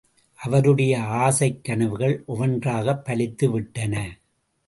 அவருடைய ஆசைக்கனவுகள் ஒவ்வொன்றாகப் பலித்துவிட்டன.